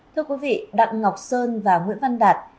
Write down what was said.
thưa quý vị đặng ngọc sơn và nguyễn văn đạt